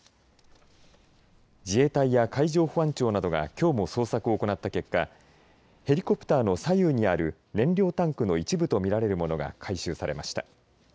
自衛隊や海上保安庁などがきょうも捜索を行った結果ヘリコプターの左右にある燃料タンクの一部と見られるものが回収されました。